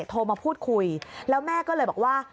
โทรมาพูดคุยแล้วแม่ก็เลยบอกว่า